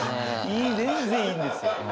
いい全然いいんですよ。